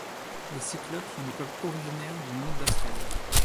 Les cyclopes sont le peuple originaire du monde d'Askald.